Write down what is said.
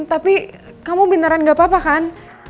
tapi kamu beneran gak apa apa kan